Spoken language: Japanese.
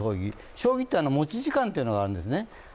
将棋というのは持ち時間というのがあるんですね。